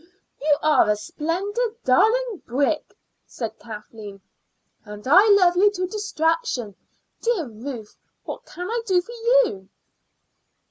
"You are a splendid, darling brick," said Kathleen, "and I love you to distraction. Dear Ruth, what can I do for you?"